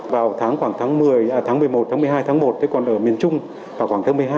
vào tháng khoảng tháng một mươi một tháng một mươi hai tháng một còn ở miền trung khoảng tháng một mươi hai